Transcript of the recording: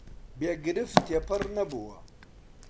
بێ گرفت تێپەڕ نەبووە